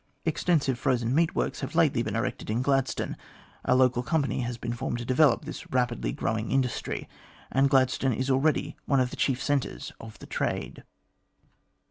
Extensive frozen meat works have lately been erected in Gladstone; a local company has been formed to develop this rapidly growing industry; and Gladstone is already one of the chief centres of the trade.